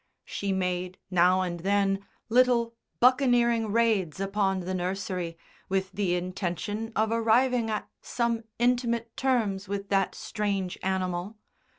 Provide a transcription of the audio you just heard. She made, now and then, little buccaneering raids upon the nursery, with the intention of arriving at some intimate terms with that strange animal.